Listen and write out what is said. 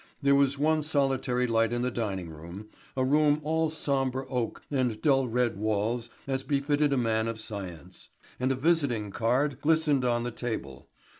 There was one solitary light in the dining room a room all sombre oak and dull red walls as befitted a man of science and a visiting card glistened on the table.